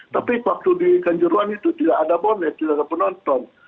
tapi waktu di kanjuruan itu tidak ada bonek tidak ada penonton